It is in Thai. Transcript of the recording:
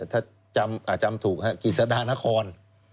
ถ้าจำถูกฮะกิจสดานคร